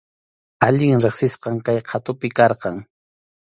Allin riqsisqam kay qhatupi karqan.